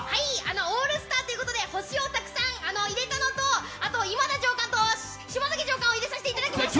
オールスターということで星をたくさん入れたのであと今田上官と島崎上官を入れさせていただきました！